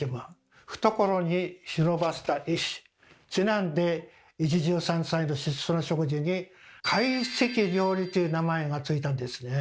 「懐に忍ばせた石」にちなんで一汁三菜の質素な食事に「懐石料理」という名前が付いたんですね。